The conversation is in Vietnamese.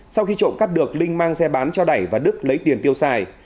sau khi trộm cắt được linh mang xe bán cho đẩy và đức lấy tiền tiêu xài